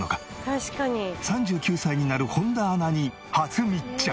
３９歳になる本田アナに初密着！